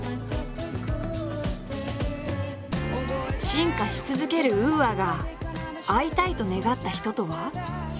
進化し続けるＵＡが会いたいと願った人とは。